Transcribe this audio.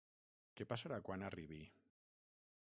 Que passarà quan arribi?